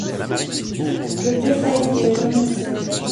Je préfère y renoncer.